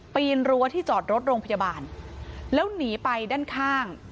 ปีนรั้วที่จอดรถโรงพยาบาลแล้วหนีไปด้านข้าง